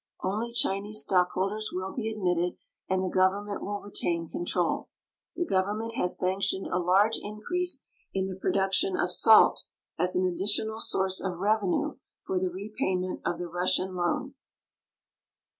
Only Chinese stockholders will be admitted, and the government will retain control. The government has sanctioned a large increase in the production of salt as an additional source of revenue for the rej^ayment of the Russian loan.